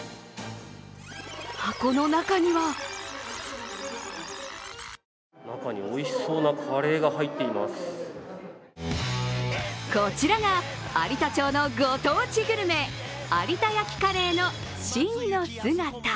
箱の中にはこちらが有田町のご当地グルメ、有田焼カレーの真の姿。